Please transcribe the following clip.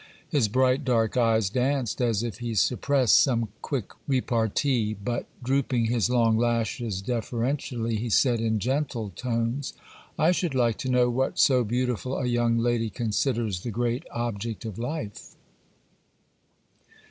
His bright dark eyes danced as if he suppressed some quick repartee; but, drooping his long lashes deferentially, he said, in gentle tones— 'I should like to know what so beautiful a young lady considers the great object of life?